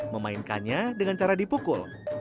memainkannya dengan cara dipukul